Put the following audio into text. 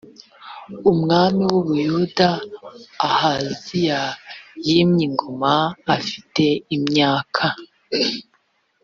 umwami w’u buyuda ahaziya yimye ingoma afite imyaka